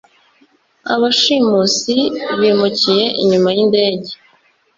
Abashimusi bimukiye inyuma yindege.